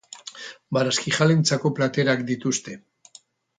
Barazkijaleentzako platerak dituzte.